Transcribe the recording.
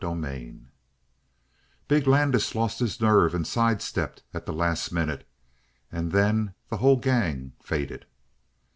19 "Big Landis lost his nerve and sidestepped at the last minute, and then the whole gang faded."